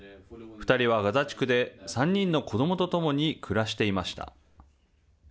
２人はガザ地区で３人の子どもと共に暮らしていました。